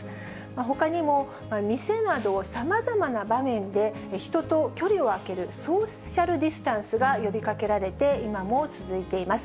ほかにも、店など、さまざまな場面で、人と距離を空けるソーシャルディスタンスが呼びかけられて、今も続いています。